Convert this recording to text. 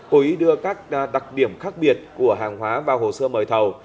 cố ý đưa các đặc điểm khác biệt của hàng hóa vào hồ sơ mời thầu